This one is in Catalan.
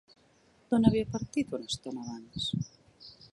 D'on havia partit una estona abans?